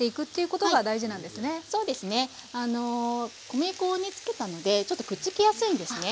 小麦粉に付けたのでちょっとくっつきやすいんですね。